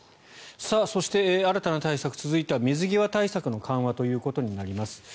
そして新たな対策続いては水際対策の緩和ということになります。